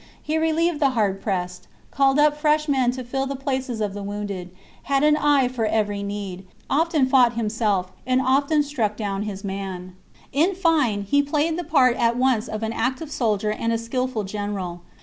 He relieved the hard pressed, called up fresh men to fill 62 THE CONSPIRACY OF CATILINE. CHAP, the places of the wounded, had an eye for every need, often fought himself, and often struck down his man. In fine, he played the part at once of an active soldier and a skilful general.